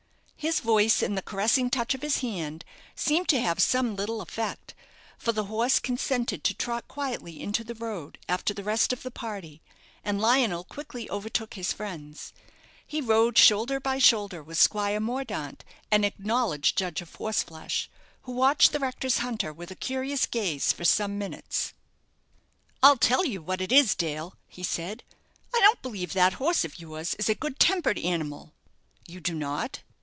His voice, and the caressing touch of his hand seemed to have some little effect, for the horse consented to trot quietly into the road, after the rest of the party, and Lionel quickly overtook his friends. He rode shoulder by shoulder with Squire Mordaunt, an acknowledged judge of horseflesh, who watched the rector's hunter with a curious gaze for some minutes. "I'll tell you what it is, Dale," he said, "I don't believe that horse of yours is a good tempered animal." "You do not?"